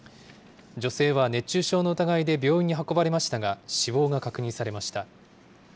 女性は熱中症の疑いで病院に運ばれましたが、死亡が確認されました。